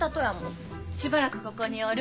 しばらくここにおる。